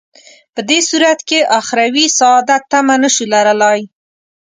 په دې صورت کې اخروي سعادت تمه نه شو لرلای.